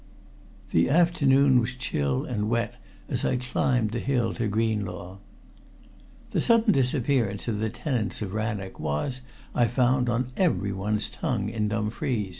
The afternoon was chill and wet as I climbed the hill to Greenlaw. The sudden disappearance of the tenants of Rannoch was, I found, on everyone's tongue in Dumfries.